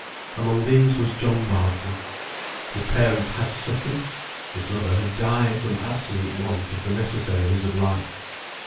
Among these was John Barton. His parents had suffered, his mother had died from absolute want of the necessaries of life.